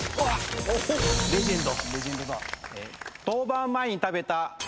レジェンド。